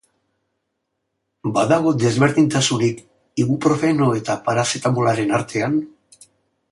Badago desberdintasunik, ibuprofeno eta parazetamolaren artean?